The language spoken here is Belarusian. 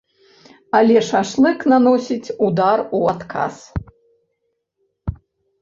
Але шашлык наносіць удар у адказ.